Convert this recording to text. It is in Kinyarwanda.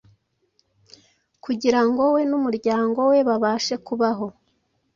kugira ngo we n’umuryango we babashe kubaho.